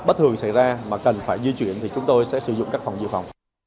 bất thường xảy ra mà cần phải di chuyển thì chúng tôi sẽ sử dụng các phòng dự phòng